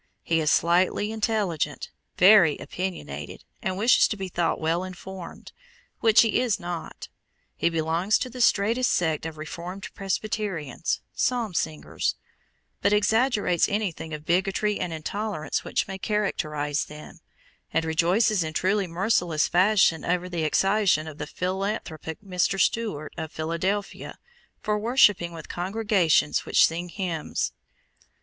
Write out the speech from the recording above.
He is slightly intelligent, very opinionated, and wishes to be thought well informed, which he is not. He belongs to the straitest sect of Reformed Presbyterians ("Psalm singers"), but exaggerates anything of bigotry and intolerance which may characterize them, and rejoices in truly merciless fashion over the excision of the philanthropic Mr. Stuart, of Philadelphia, for worshipping with congregations which sing hymns.